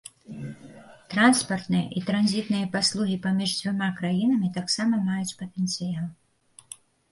Транспартныя і транзітныя паслугі паміж дзвюма краінамі таксама маюць патэнцыял.